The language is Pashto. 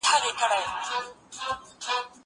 زه مخکي مکتب ته تللي وو!؟